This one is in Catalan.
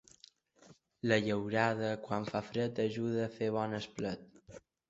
La llaurada quan fa fred ajuda a fer bon esplet.